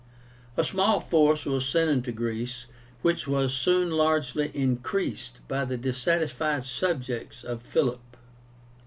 A small force was sent into Greece, which was soon largely increased by the dissatisfied subjects of Philip.